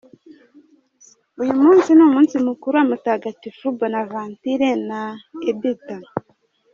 Uyu munsi ni umunsi mukuru wa Mutagatifu Bonaventure na Editha.